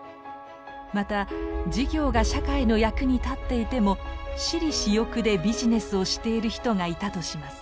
また事業が社会の役に立っていても私利私欲でビジネスをしている人がいたとします。